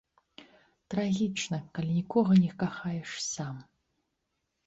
Трагічна, калі нікога не кахаеш сам.